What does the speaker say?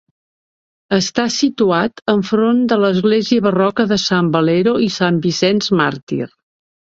Està situat enfront de l'església barroca de Sant Valero i Sant Vicent Màrtir.